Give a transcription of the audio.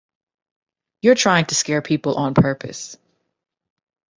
You're trying to scare people on purpose.